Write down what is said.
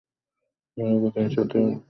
এর আগে তিনি ছাত্র রাজনীতিতে সক্রিয় ছিলেন।